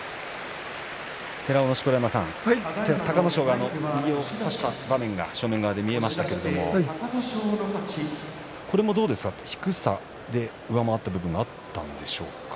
錣山さん、隆の勝が右を差した場面が見えましたけれどこれはどうですか低さで上回った部分はあったでしょうか。